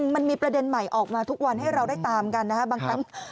มันมีประเด็นใหม่ออกมาทุกวันให้เราได้ตามกันนะฮะ